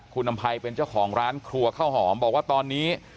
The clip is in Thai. คุณอำภัยเป็นเจ้าของร้านครัวข้าวหอมบอกว่าตอนนี้